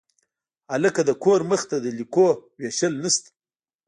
هلته د کور مخې ته د لیکونو ویشل نشته